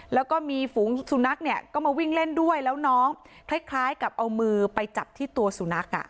แล้วก็มีฝูงสุนัขเนี่ยก็มาวิ่งเล่นด้วยแล้วน้องคล้ายกับเอามือไปจับที่ตัวสุนัข